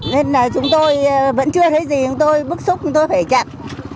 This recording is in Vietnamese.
nên là chúng tôi vẫn chưa thấy gì chúng tôi bức xúc tôi phải chặn